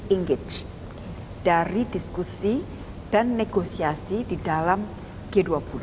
tidak ada satupun disengage dari diskusi dan negosiasi di dalam g dua puluh